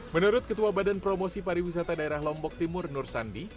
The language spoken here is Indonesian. menurut ketua badan promosi pariwisata daerah lombok timur nur sandi